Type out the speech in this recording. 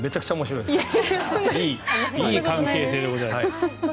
いい関係性でございます。